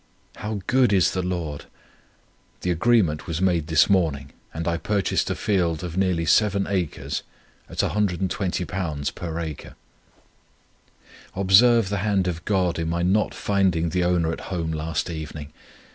How good is the Lord! The agreement was made this morning, and I purchased a field of nearly seven acres, at £120 per acre. "Observe the hand of God in my not finding the owner at home last evening!